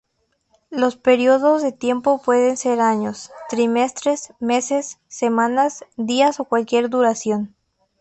Los periodos de tiempo pueden ser años, trimestres, meses, semanas, días o cualquier duración.